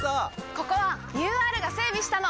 ここはＵＲが整備したの！